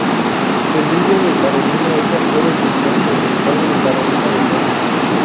El lirio de Carolina es la flor oficial del estado de Carolina del Norte.